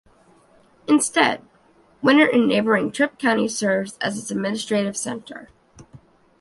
Instead, Winner in neighboring Tripp County serves as its administrative center.